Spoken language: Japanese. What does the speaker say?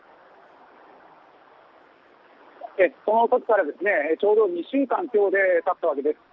その時からちょうど２週間強たったわけです。